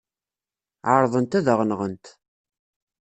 Ɛerḍent ad aɣ-nɣent.